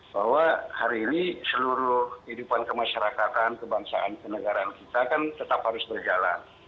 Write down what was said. bahwa hari ini seluruh kehidupan kemasyarakatan kebangsaan kenegaraan kita kan tetap harus berjalan